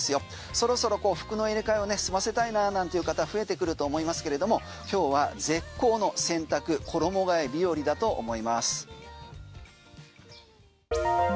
そろそろ服の入れ替えを済ませたいななんて言う方が増えてくると思いますけれども今日は絶好の洗濯衣替え日和だと思います。